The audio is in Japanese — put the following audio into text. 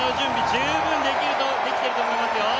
十分にできてると思いますよ。